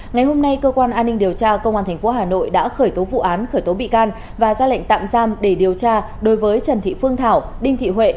ngày hôm nay cơ quan an ninh điều tra công an tp hà nội đã khởi tố vụ án khởi tố bị can và ra lệnh tạm giam để điều tra đối với trần thị phương thảo đinh thị huệ